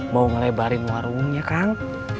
mau ngelebarin warungnya kang